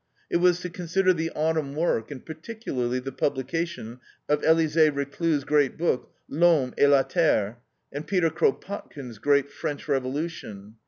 It was to consider the autumn work, and particularly the publication of Elisee Reclus' great book, L'HOMME ET LA TERRE, and Peter Kropotkin's GREAT FRENCH REVOLUTION.